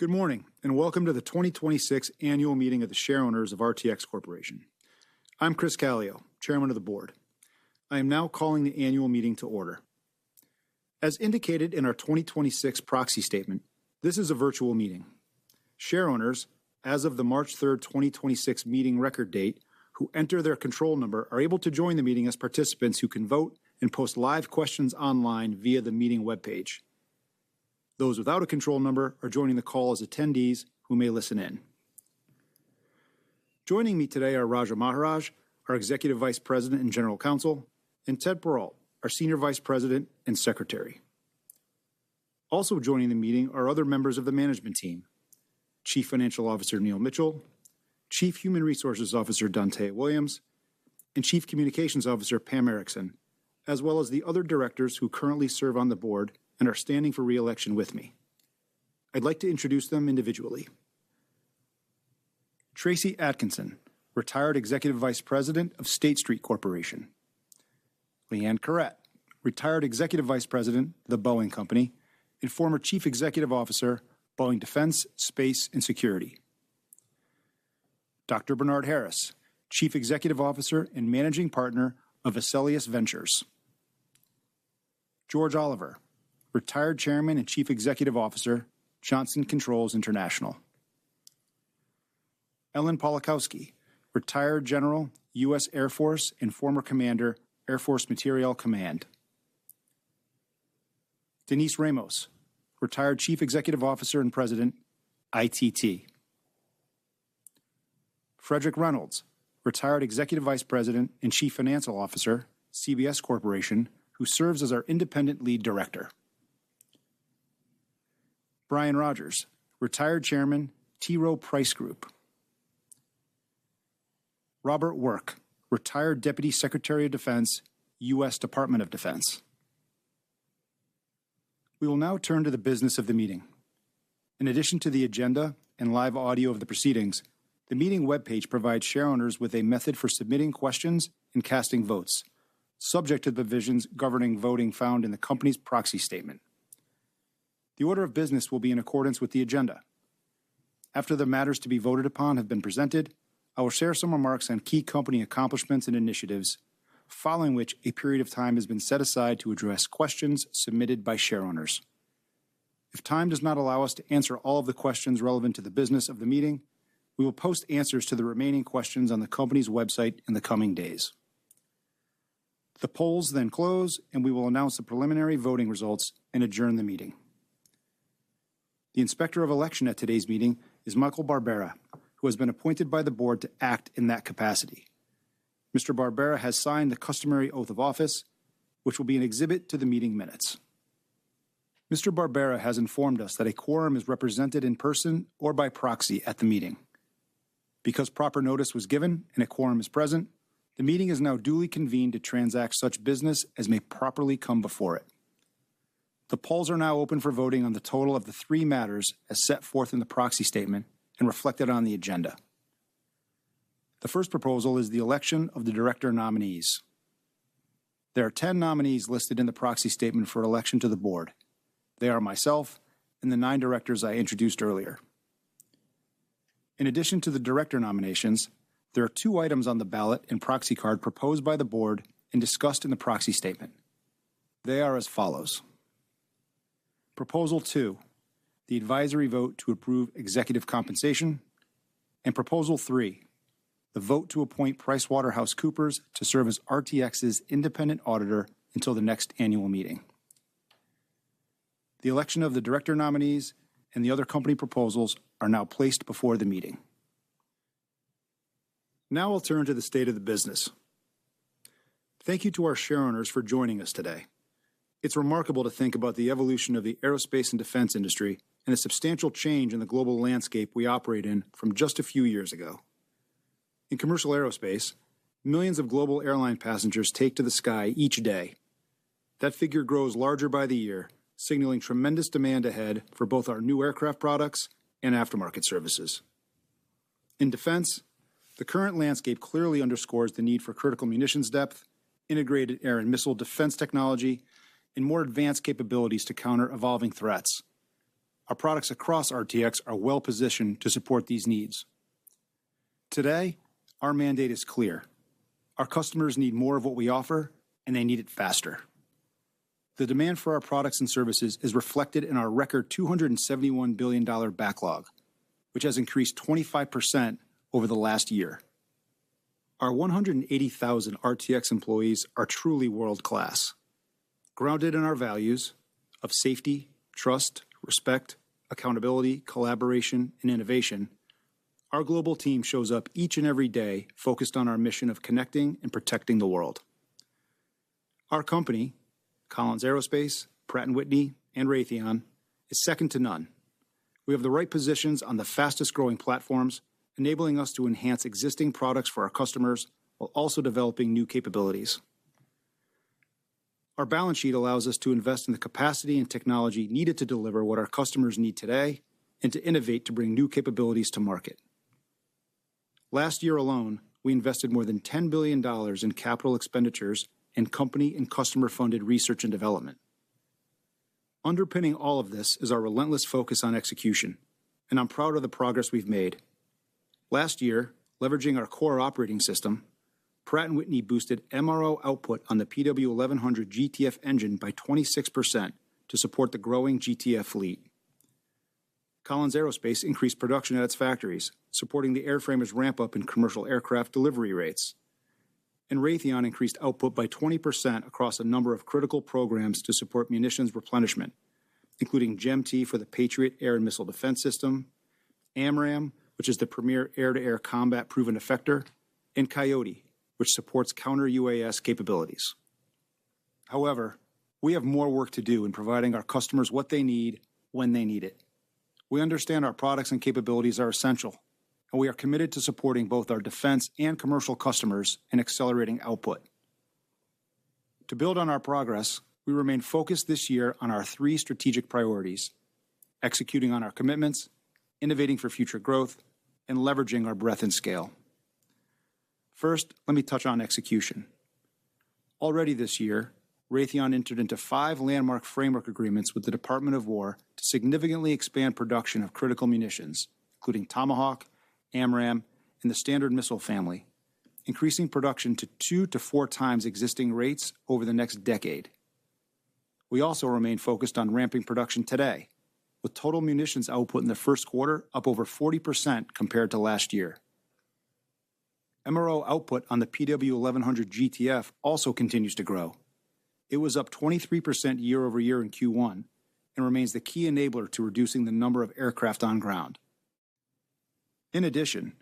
Good morning, and welcome to the 2026 annual meeting of the shareowners of RTX Corporation. I'm Chris Calio, Chairman of the Board. I am now calling the annual meeting to order. As indicated in our 2026 proxy statement, this is a virtual meeting. Shareowners, as of the March 3, 2026 meeting record date, who enter their control number are able to join the meeting as participants who can vote and post live questions online via the meeting webpage. Those without a control number are joining the call as attendees who may listen in. Joining me today are Raja Maharajh, our Executive Vice President and General Counsel, and Ted Perreault, our Senior Vice President and Secretary. Also joining the meeting are other members of the management team: Chief Financial Officer Neil G. Mitchill, Jr., Chief Human Resources Officer Dantaya Williams, and Chief Communications Officer Pamela Erickson, as well as the other directors who currently serve on the board and are standing for reelection with me. I'd like to introduce them individually. Tracy A. Atkinson, retired Executive Vice President of State Street Corporation. Leanne G. Caret, retired Executive Vice President, The Boeing Company, and former Chief Executive Officer, Boeing Defense, Space & Security. Bernard A. Harris Jr., Chief Executive Officer and Managing Partner of Vesalius Ventures. George Oliver, retired Chairman and Chief Executive Officer, Johnson Controls International. Ellen M. Pawlikowski, retired General U.S. Air Force and former Commander, Air Force Materiel Command. Denise L. Ramos, retired Chief Executive Officer and President, ITT. Fredric G. Reynolds, retired Executive Vice President and Chief Financial Officer, CBS Corporation, who serves as our independent Lead Director. Brian Rogers, retired Chairman, T. Rowe Price Group. Robert Work, retired Deputy Secretary of Defense, U.S. Department of Defense. We will now turn to the business of the meeting. In addition to the agenda and live audio of the proceedings, the meeting webpage provides shareowners with a method for submitting questions and casting votes, subject to the provisions governing voting found in the company's proxy statement. The order of business will be in accordance with the agenda. After the matters to be voted upon have been presented, I will share some remarks on key company accomplishments and initiatives, following which a period of time has been set aside to address questions submitted by shareowners. If time does not allow us to answer all of the questions relevant to the business of the meeting, we will post answers to the remaining questions on the company's website in the coming days. The polls close, and we will announce the preliminary voting results and adjourn the meeting. The Inspector of Election at today's meeting is Michael Barbera, who has been appointed by the board to act in that capacity. Mr. Barbera has signed the customary oath of office, which will be an exhibit to the meeting minutes. Mr. Barbera has informed us that a quorum is represented in person or by proxy at the meeting. Because proper notice was given and a quorum is present, the meeting is now duly convened to transact such business as may properly come before it. The polls are now open for voting on the total of the three matters as set forth in the proxy statement and reflected on the agenda. The first proposal is the election of the director nominees. There are 10 nominees listed in the proxy statement for election to the board. They are myself and the nine directors I introduced earlier. In addition to the director nominations, there are two items on the ballot and proxy card proposed by the board and discussed in the proxy statement. They are as follows. Proposal 2, the advisory vote to approve executive compensation, and Proposal 3, the vote to appoint PricewaterhouseCoopers to serve as RTX's independent auditor until the next annual meeting. The election of the director nominees and the other company proposals are now placed before the meeting. Now we'll turn to the state of the business. Thank you to our shareowners for joining us today. It's remarkable to think about the evolution of the aerospace and defense industry and a substantial change in the global landscape we operate in from just a few years ago. In commercial aerospace, millions of global airline passengers take to the sky each day. That figure grows larger by the year, signaling tremendous demand ahead for both our new aircraft products and aftermarket services. In defense, the current landscape clearly underscores the need for critical munitions depth, integrated air and missile defense technology, and more advanced capabilities to counter evolving threats. Our products across RTX are well-positioned to support these needs. Today, our mandate is clear. Our customers need more of what we offer, and they need it faster. The demand for our products and services is reflected in our record $271 billion backlog, which has increased 25% over the last year. Our 180,000 RTX employees are truly world-class. Grounded in our values of safety, trust, respect, accountability, collaboration, and innovation, our global team shows up each and every day focused on our mission of connecting and protecting the world. Our company, Collins Aerospace, Pratt & Whitney, and Raytheon, is second to none. We have the right positions on the fastest-growing platforms, enabling us to enhance existing products for our customers while also developing new capabilities. Our balance sheet allows us to invest in the capacity and technology needed to deliver what our customers need today and to innovate to bring new capabilities to market. Last year alone, we invested more than $10 billion in capital expenditures and company and customer-funded research and development. Underpinning all of this is our relentless focus on execution, and I'm proud of the progress we've made. Last year, leveraging our CORE Operating System, Pratt & Whitney boosted MRO output on the PW1100 GTF engine by 26% to support the growing GTF fleet. Collins Aerospace increased production at its factories, supporting the airframers' ramp-up in commercial aircraft delivery rates. Raytheon increased output by 20% across a number of critical programs to support munitions replenishment, including GEM-T for the Patriot Air and Missile Defense System, AMRAAM, which is the premier air-to-air combat proven effector, and Coyote, which supports counter UAS capabilities. We have more work to do in providing our customers what they need when they need it. We understand our products and capabilities are essential, and we are committed to supporting both our defense and commercial customers in accelerating output. To build on our progress, we remain focused this year on our three strategic priorities: executing on our commitments, innovating for future growth, and leveraging our breadth and scale. First, let me touch on execution. Already this year, Raytheon entered into 5 landmark framework agreements with the Department of War to significantly expand production of critical munitions, including Tomahawk, AMRAAM, and the Standard Missile family, increasing production to 2 to 4 times existing rates over the next decade. We also remain focused on ramping production today, with total munitions output in the Q1 up over 40% compared to last year. MRO output on the PW1100 GTF also continues to grow. It was up 23% year-over-year in Q1 and remains the key enabler to reducing the number of aircraft on ground. In addition,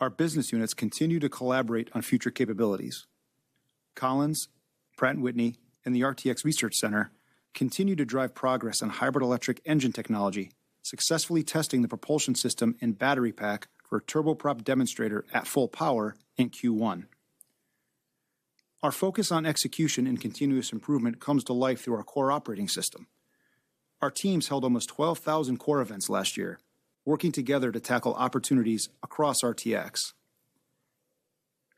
our business units continue to collaborate on future capabilities. Collins, Pratt & Whitney, and the RTX Research Center continue to drive progress on hybrid electric engine technology, successfully testing the propulsion system and battery pack for a turboprop demonstrator at full power in Q1. Our focus on execution and continuous improvement comes to life through our CORE Operating System. Our teams held almost 12,000 CORE events last year, working together to tackle opportunities across RTX.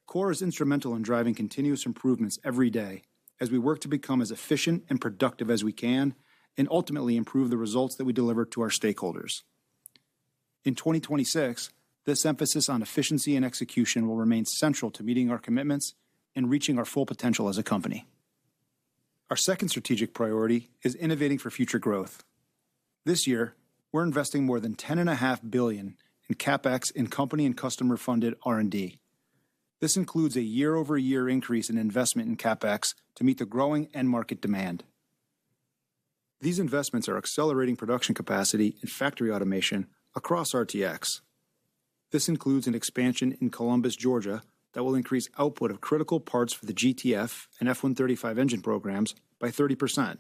CORE is instrumental in driving continuous improvements every day as we work to become as efficient and productive as we can and ultimately improve the results that we deliver to our stakeholders. In 2026, this emphasis on efficiency and execution will remain central to meeting our commitments and reaching our full potential as a company. Our second strategic priority is innovating for future growth. This year, we're investing more than $10.5 billion in CapEx in company and customer-funded R&D. This includes a year-over-year increase in investment in CapEx to meet the growing end market demand. These investments are accelerating production capacity and factory automation across RTX. This includes an expansion in Columbus, Georgia, that will increase output of critical parts for the GTF and F135 engine programs by 30%.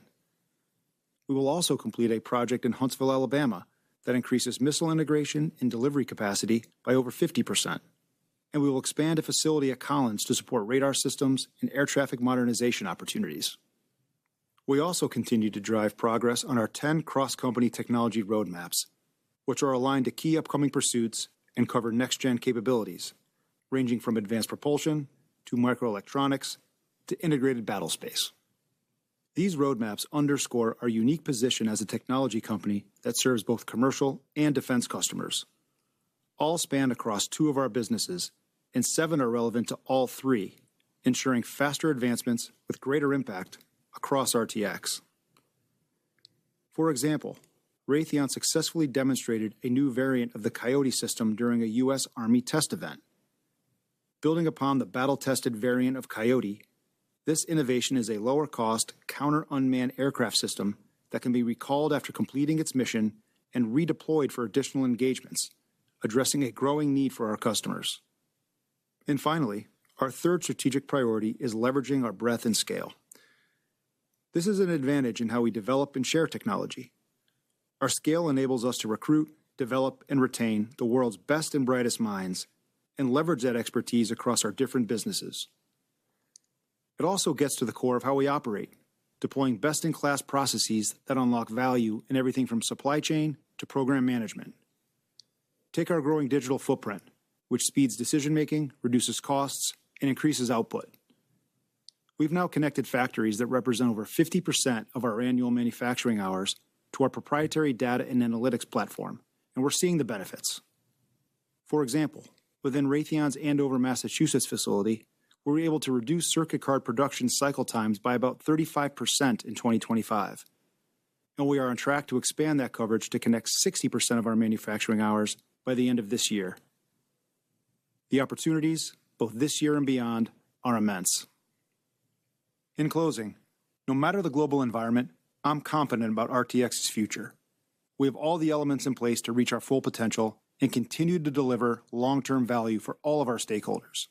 We will also complete a project in Huntsville, Alabama, that increases missile integration and delivery capacity by over 50%, and we will expand a facility at Collins Aerospace to support radar systems and air traffic modernization opportunities. We also continue to drive progress on our 10 cross-company technology roadmaps, which are aligned to key upcoming pursuits and cover next-gen capabilities, ranging from advanced propulsion to microelectronics to integrated battlespace. These roadmaps underscore our unique position as a technology company that serves both commercial and defense customers. All span across two of our businesses, and seven are relevant to all three, ensuring faster advancements with greater impact across RTX. For example, Raytheon successfully demonstrated a new variant of the Coyote system during a U.S. Army test event. Building upon the battle-tested variant of Coyote, this innovation is a lower-cost counter-unmanned aircraft system that can be recalled after completing its mission and redeployed for additional engagements, addressing a growing need for our customers. Finally, our third strategic priority is leveraging our breadth and scale. This is an advantage in how we develop and share technology. Our scale enables us to recruit, develop, and retain the world's best and brightest minds and leverage that expertise across our different businesses. It also gets to the CORE of how we operate, deploying best-in-class processes that unlock value in everything from supply chain to program management. Take our growing digital footprint, which speeds decision-making, reduces costs, and increases output. We've now connected factories that represent over 50% of our annual manufacturing hours to our proprietary data and analytics platform, and we're seeing the benefits. For example, within Raytheon's Andover, Massachusetts, facility, we're able to reduce circuit card production cycle times by about 35% in 2025, and we are on track to expand that coverage to connect 60% of our manufacturing hours by the end of this year. The opportunities, both this year and beyond, are immense. In closing, no matter the global environment, I'm confident about RTX's future. We have all the elements in place to reach our full potential and continue to deliver long-term value for all of our stakeholders.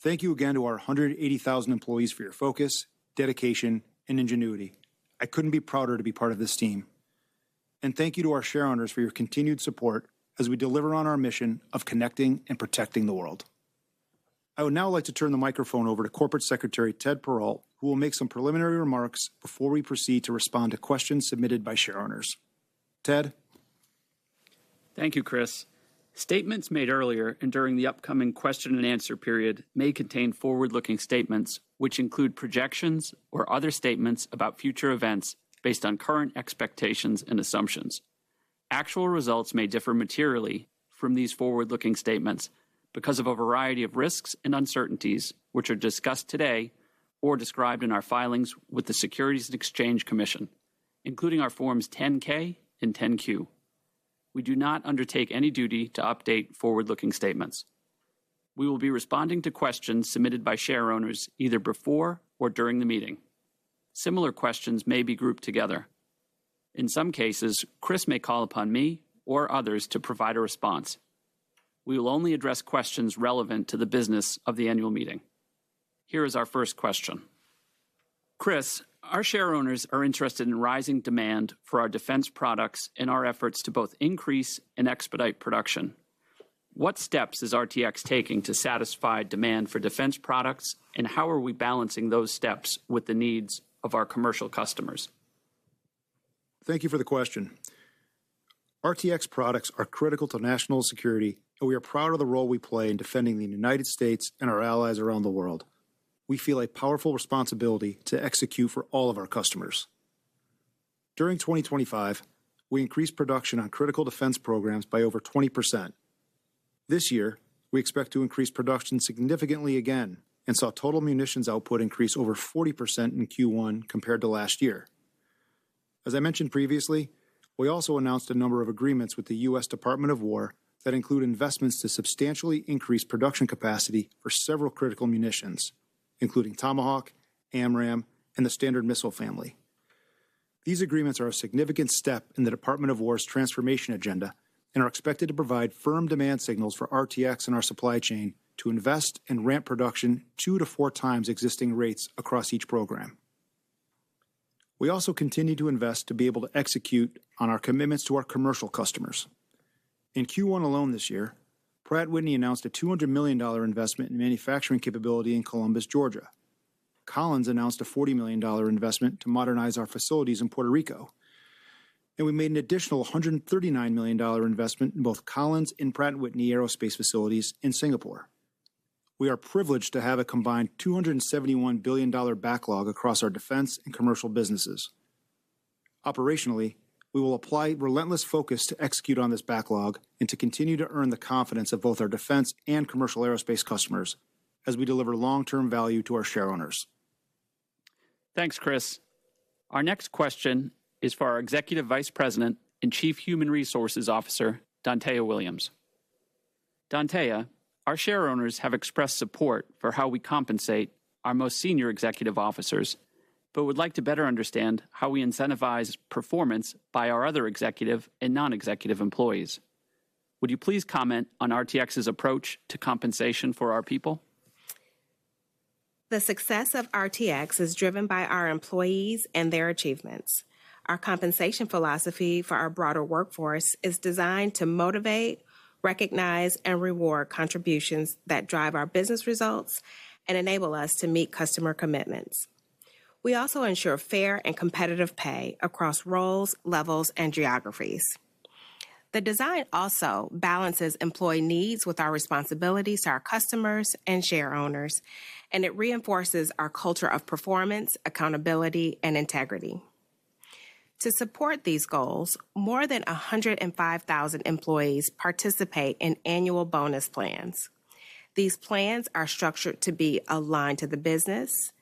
Thank you again to our 180,000 employees for your focus, dedication, and ingenuity. I couldn't be prouder to be part of this team. Thank you to our share owners for your continued support as we deliver on our mission of connecting and protecting the world. I would now like to turn the microphone over to Corporate Secretary, Ted Perreault, who will make some preliminary remarks before we proceed to respond to questions submitted by share owners. Ted? Thank you, Chris. Statements made earlier and during the upcoming question and answer period may contain forward-looking statements, which include projections or other statements about future events based on current expectations and assumptions. Actual results may differ materially from these forward-looking statements because of a variety of risks and uncertainties which are discussed today or described in our filings with the Securities and Exchange Commission, including our forms 10-K and 10-Q. We do not undertake any duty to update forward-looking statements. We will be responding to questions submitted by share owners either before or during the meeting. Similar questions may be grouped together. In some cases, Chris may call upon me or others to provide a response. We will only address questions relevant to the business of the annual meeting. Here is our first question: Chris, our share owners are interested in rising demand for our defense products and our efforts to both increase and expedite production. What steps is RTX taking to satisfy demand for defense products, and how are we balancing those steps with the needs of our commercial customers? Thank you for the question. RTX products are critical to national security, and we are proud of the role we play in defending the United States and our allies around the world. We feel a powerful responsibility to execute for all of our customers. During 2025, we increased production on critical defense programs by over 20%. This year, we expect to increase production significantly again and saw total munitions output increase over 40% in Q1 compared to last year. As I mentioned previously, we also announced a number of agreements with the U.S. Department of War that include investments to substantially increase production capacity for several critical munitions, including Tomahawk, AMRAAM, and the Standard Missile family. These agreements are a significant step in the Department of War's transformation agenda and are expected to provide firm demand signals for RTX and our supply chain to invest and ramp production 2 to 4 times existing rates across each program. We also continue to invest to be able to execute on our commitments to our commercial customers. In Q1 alone this year, Pratt & Whitney announced a $200 million investment in manufacturing capability in Columbus, Georgia. Collins announced a $40 million investment to modernize our facilities in Puerto Rico. We made an additional $139 million investment in both Collins and Pratt & Whitney aerospace facilities in Singapore. We are privileged to have a combined $271 billion backlog across our defense and commercial businesses. Operationally, we will apply relentless focus to execute on this backlog and to continue to earn the confidence of both our defense and commercial aerospace customers as we deliver long-term value to our share owners. Thanks, Chris. Our next question is for our Executive Vice President and Chief Human Resources Officer, Dantaya Williams. Dantaya, our share owners have expressed support for how we compensate our most senior executive officers but would like to better understand how we incentivize performance by our other executive and non-executive employees. Would you please comment on RTX's approach to compensation for our people? The success of RTX is driven by our employees and their achievements. Our compensation philosophy for our broader workforce is designed to motivate, recognize, and reward contributions that drive our business results and enable us to meet customer commitments. We also ensure fair and competitive pay across roles, levels, and geographies. The design also balances employee needs with our responsibilities to our customers and share owners, and it reinforces our culture of performance, accountability, and integrity. To support these goals, more than 105,000 employees participate in annual bonus plans. These plans are structured to be aligned to the business,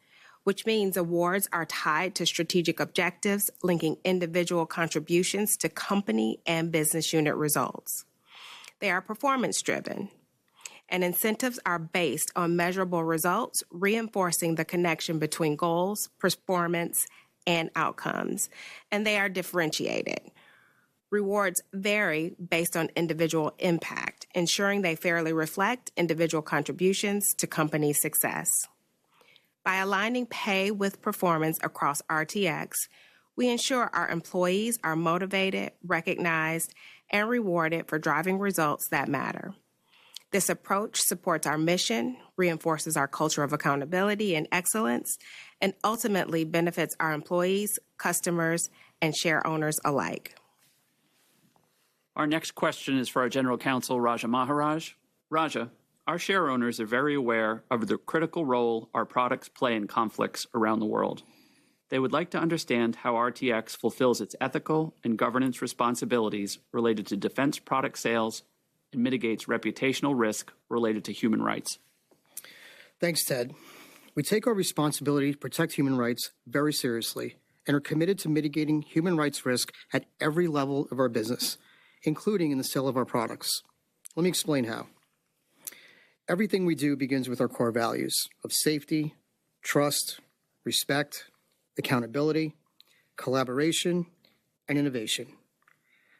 which means awards are tied to strategic objectives, linking individual contributions to company and business unit results. They are performance-driven, and incentives are based on measurable results, reinforcing the connection between goals, performance, and outcomes, and they are differentiated. Rewards vary based on individual impact, ensuring they fairly reflect individual contributions to company success. By aligning pay with performance across RTX, we ensure our employees are motivated, recognized, and rewarded for driving results that matter. This approach supports our mission, reinforces our culture of accountability and excellence, and ultimately benefits our employees, customers, and share owners alike. Our next question is for our General Counsel, Raja Maharajh. Raja, our share owners are very aware of the critical role our products play in conflicts around the world. They would like to understand how RTX fulfills its ethical and governance responsibilities related to defense product sales and mitigates reputational risk related to human rights. Thanks, Ted. We take our responsibility to protect human rights very seriously and are committed to mitigating human rights risk at every level of our business, including in the sale of our products. Let me explain how. Everything we do begins with our core values of safety, trust, respect, accountability, collaboration, and innovation.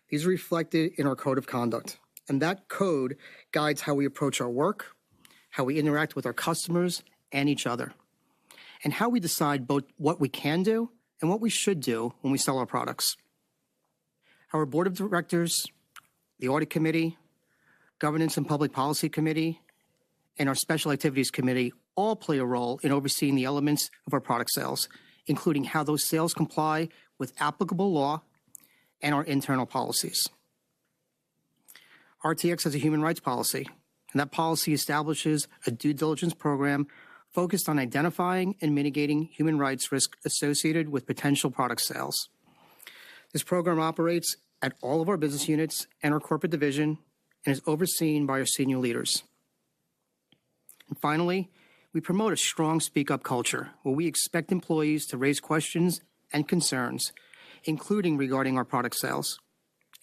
These are reflected in our code of conduct. That code guides how we approach our work, how we interact with our customers and each other, and how we decide both what we can do and what we should do when we sell our products. Our board of directors, the audit committee, governance and public policy committee, and our special activities committee all play a role in overseeing the elements of our product sales, including how those sales comply with applicable law and our internal policies. RTX has a human rights policy. That policy establishes a due diligence program focused on identifying and mitigating human rights risks associated with potential product sales. This program operates at all of our business units and our corporate division and is overseen by our senior leaders. Finally, we promote a strong speak-up culture, where we expect employees to raise questions and concerns, including regarding our product sales.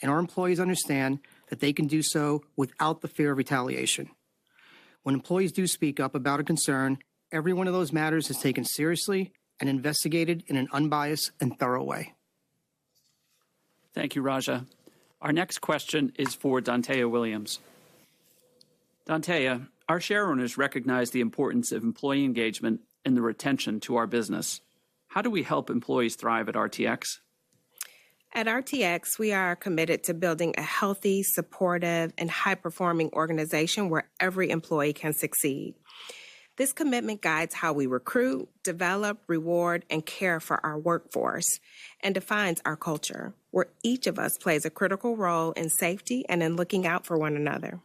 Our employees understand that they can do so without the fear of retaliation. When employees do speak up about a concern, every one of those matters is taken seriously and investigated in an unbiased and thorough way. Thank you, Raja. Our next question is for Dantaya Williams. Dantaya, our shareowners recognize the importance of employee engagement and the retention to our business. How do we help employees thrive at RTX? At RTX, we are committed to building a healthy, supportive, and high-performing organization where every employee can succeed. This commitment guides how we recruit, develop, reward, and care for our workforce, and defines our culture, where each of us plays a critical role in safety and in looking out for one another.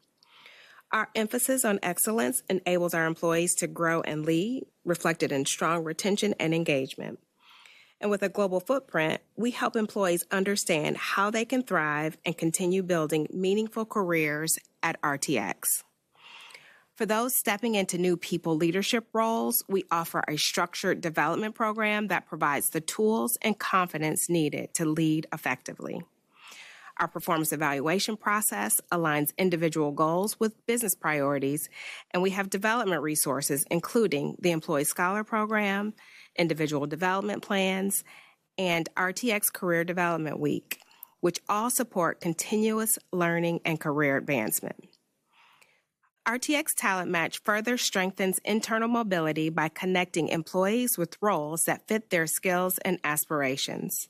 Our emphasis on excellence enables our employees to grow and lead, reflected in strong retention and engagement. With a global footprint, we help employees understand how they can thrive and continue building meaningful careers at RTX. For those stepping into new people leadership roles, we offer a structured development program that provides the tools and confidence needed to lead effectively. Our performance evaluation process aligns individual goals with business priorities, and we have development resources, including the Employee Scholar Program, Individual Development Plans, and RTX Career Development Week, which all support continuous learning and career advancement. RTX Talent Match further strengthens internal mobility by connecting employees with roles that fit their skills and aspirations.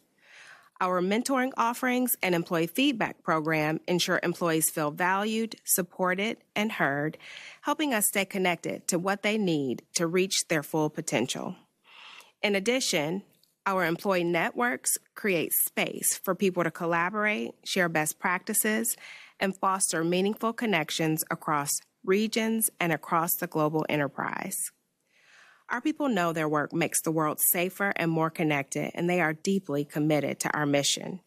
Our mentoring offerings and employee feedback program ensure employees feel valued, supported, and heard, helping us stay connected to what they need to reach their full potential. In addition, our employee networks create space for people to collaborate, share best practices, and foster meaningful connections across regions and across the global enterprise. Our people know their work makes the world safer and more connected, and they are deeply committed to our mission.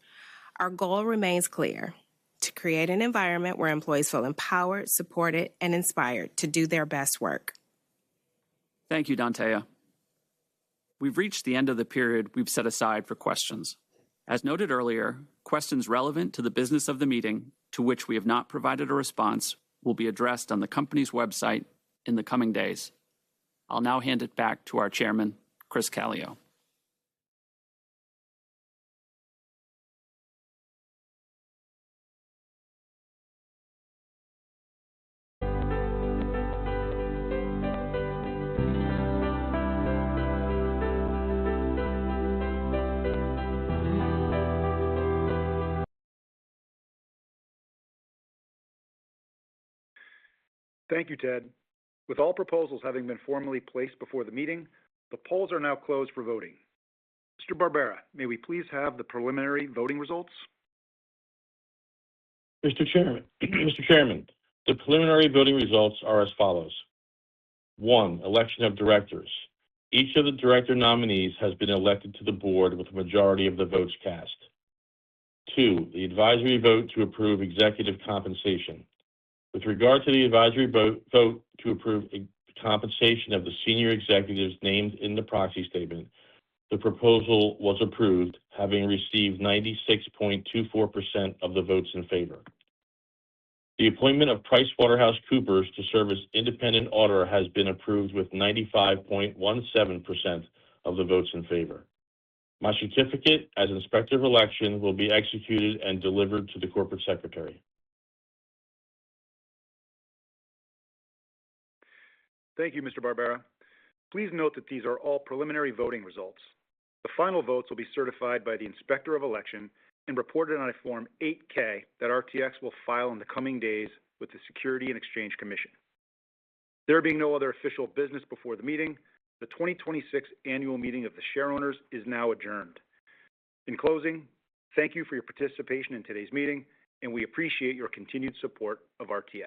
Our goal remains clear: to create an environment where employees feel empowered, supported, and inspired to do their best work. Thank you, Dantaya. We've reached the end of the period we've set aside for questions. As noted earlier, questions relevant to the business of the meeting to which we have not provided a response will be addressed on the company's website in the coming days. I'll now hand it back to our Chairman, Chris Calio. Thank you, Ted. With all proposals having been formally placed before the meeting, the polls are now closed for voting. Mr. Barbera, may we please have the preliminary voting results? Mr. Chairman, the preliminary voting results are as follows. One, election of directors. Each of the director nominees has been elected to the board with a majority of the votes cast. Two, the advisory vote to approve executive compensation. With regard to the advisory vote to approve executive compensation of the senior executives named in the proxy statement, the proposal was approved, having received 96.24% of the votes in favor. The appointment of PricewaterhouseCoopers to serve as independent auditor has been approved with 95.17% of the votes in favor. My certificate as Inspector of Election will be executed and delivered to the Corporate Secretary. Thank you, Mr. Barbera. Please note that these are all preliminary voting results. The final votes will be certified by the Inspector of Election and reported on a Form 8-K that RTX will file in the coming days with the Securities and Exchange Commission. There being no other official business before the meeting, the 2026 annual meeting of the shareowners is now adjourned. In closing, thank you for your participation in today's meeting, and we appreciate your continued support of our team.